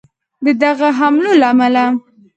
د دغه حملو له امله